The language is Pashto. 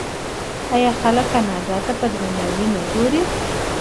آیا خلک کاناډا ته په درناوي نه ګوري؟